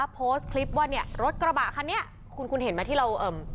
โพสต์คลิปว่าเนี่ยรถกระบะคันนี้คุณคุณเห็นไหมที่เราเอ่อ